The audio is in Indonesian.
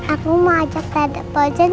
aku mau ajak tante frozen